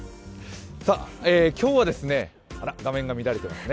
今日はあらっ、画面が乱れていますね。